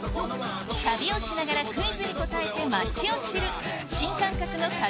旅をしながらクイズに答えて町を知る新感覚の旅